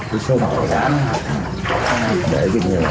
cái số bảo đảm để khu vực này về